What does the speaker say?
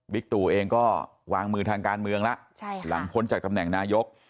บิ๊กตู่เองก็วางมือทางการเมืองล่ะใช่ค่ะหลังพ้นจากตำแหน่งนายก